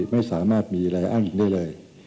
ไม่สามารถมีอะไรอ้างอิงได้เลย